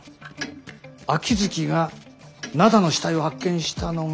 秋月が灘の死体を発見したのが。